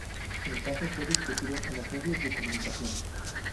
El caso fue discutido en los medios de comunicación.